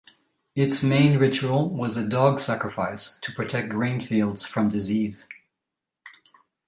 Its main ritual was a dog sacrifice to protect grain fields from disease.